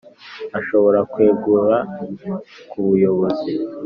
ashobora kwegura kubuyobozi